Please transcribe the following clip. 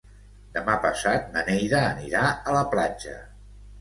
Demà passat na Neida anirà a la platja.